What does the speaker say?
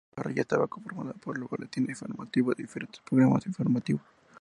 Su parrilla estaba conformada por boletines informativos, y diferentes programas informativos.